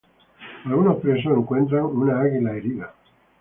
Algunos presos encuentran una águila herida.